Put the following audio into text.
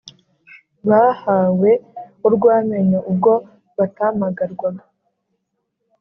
Bahawe urw’amenyo ubwo batamagarwaga